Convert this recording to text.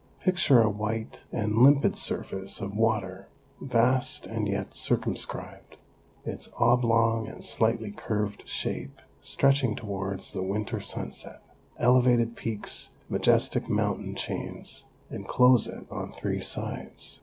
Picture a white and limpid surface of water, vast and yet circumscribed, its oblong and slightly curved shape stretch ing towards the winter sunset. Elevated peaks, majestic mountain chains, enclose it on three sides.